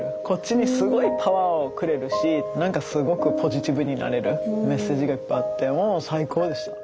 こっちにすごいパワーをくれるし何かすごくポジティブになれるメッセージがいっぱいあってもう最高でした。